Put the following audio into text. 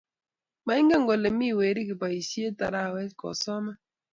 Maingen kole mi weri kiboisie arawee kosoman